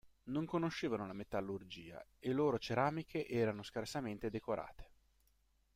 Non conoscevano la metallurgia e loro ceramiche erano scarsamente decorate.